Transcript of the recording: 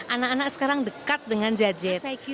anak anak sekarang dekat dengan jj